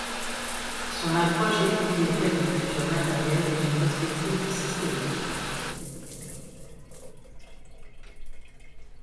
Son approche étudie les faits de culture matérielle dans une perspective systémique.